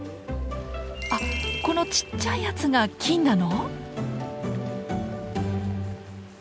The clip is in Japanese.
あこのちっちゃいやつが金なの？